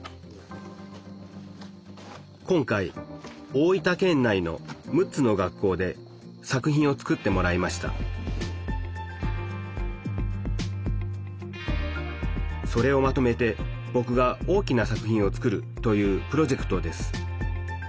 今回大分県内の６つの学校で作品を作ってもらいましたそれをまとめてぼくが大きな作品を作るというプロジェクトです